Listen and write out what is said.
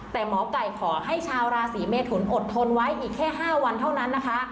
แต่หมอไก่ขอให้ชาวราศีเมทุนอดทนไว้อีกแค่๕วันเท่านั้นนะคะ